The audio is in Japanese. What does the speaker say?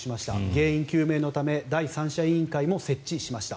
原因究明のため第三者委員会も設置しました。